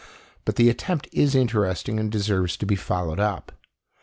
But the attempt is interesting and deserves to be followed up.